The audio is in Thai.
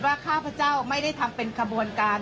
ข้าพเจ้าไม่ได้ทำเป็นขบวนการ